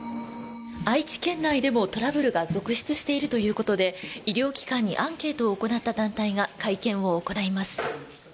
愛知県内でもトラブルが続出しているということで医療機関にアンケートを行った団体が会見を行います。